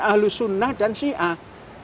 ahlus sunnah dan syiah